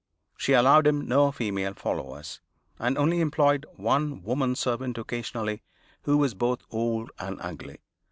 She allowed him no female followers, and only employed one woman servant occasionally, who was both old and ugly.